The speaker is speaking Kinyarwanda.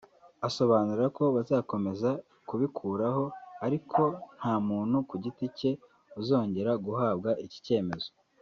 asobanura ko bazakomeza kubikoreraho ariko ko nta muntu ku giti cye uzongera guhabwa iki cyemezo